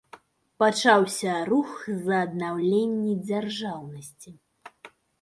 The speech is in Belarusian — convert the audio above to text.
Пачаўся рух за аднаўленне дзяржаўнасці.